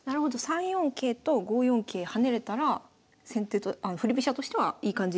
３四桂と５四桂跳ねれたら振り飛車としてはいい感じという感じですか？